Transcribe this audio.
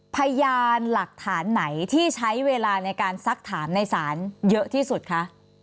พยานหลักฐานไหนที่ใช้เวลาในการซักถามในศาลเยอะที่สุดคะ